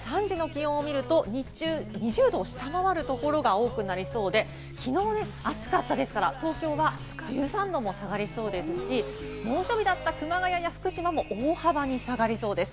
日中２０度を下回るところが多くなりそうで、きのう暑かったですから、東京は１３度も下がりそうですし、猛暑日だった熊谷や福島も大幅に下がりそうです。